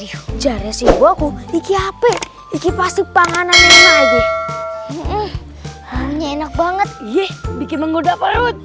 oh wow ujiannya sih gua aku iki hp iki pasti panganan enak banget bikin menggoda parut